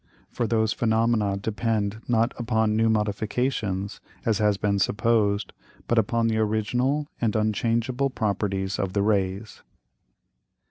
For those Phænomena depend not upon new Modifications, as has been supposed, but upon the original and unchangeable Properties of the Rays.